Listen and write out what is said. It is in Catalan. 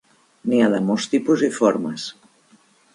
N'hi ha de molts tipus i formes.